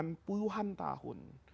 bilangan puluhan tahun